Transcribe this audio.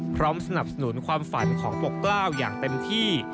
สนับสนุนความฝันของปกกล้าวอย่างเต็มที่